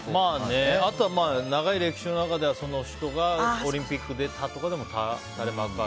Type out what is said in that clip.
あとは長い歴史の中ではその人がオリンピック出たとかでも垂れ幕が。